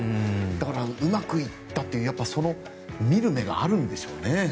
だからうまくいったというその見る目があるんでしょうね。